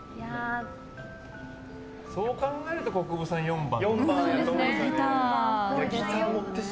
そう考えると國分さん４番。